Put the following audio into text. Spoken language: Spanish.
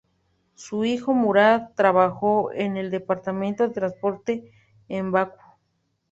Su hijo Murad trabajó en el departamento de transporte en Bakú.